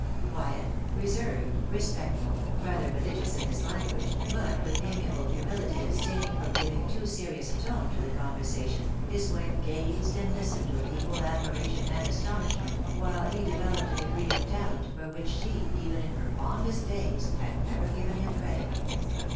Quiet, reserved, respectful, rather religious in his language, but with amiable humility abstaining from giving too serious a tone to the conversation, his wife gazed and Ustened with equal admiration and astonishment, while he developed a degree of talent, for which she, even in her fondest days, had never given him credit.